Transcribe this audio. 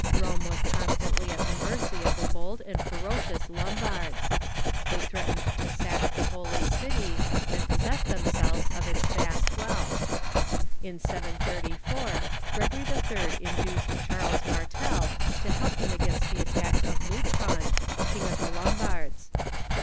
Rome was constantly at the mercy of the bold and ferocious Lombards. They threatened to sack the Holy City, and possess themselves of its vast wealth. In V34 Gregory HI. induced Charles Martel to help him against the attacks of Luitprand, King of the Lombards.